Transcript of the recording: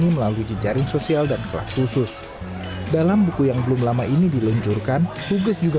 melalui jejaring sosial dan kelas khusus dalam buku yang belum lama ini diluncurkan huges juga